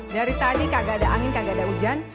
dari tadi kagak ada angin kagak ada hujan